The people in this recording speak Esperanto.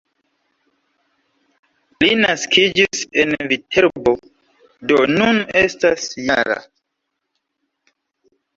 Li naskiĝis en Viterbo, do nun estas -jara.